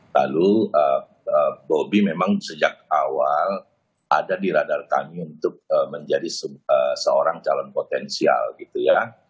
lalu bobi memang sejak awal ada di radar kami untuk menjadi seorang calon potensial gitu ya